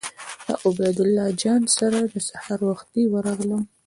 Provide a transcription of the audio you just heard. له عبیدالله جان سره سهار وختي ورغلم.